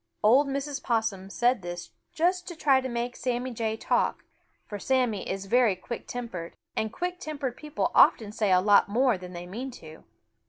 Old Mrs. Possum said this just to try to make Sammy Jay talk, for Sammy is very quick tempered, and quick tempered people often say a lot more than they mean to.